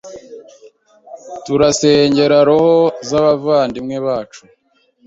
Turasengera roho z'abavandimwe bacu.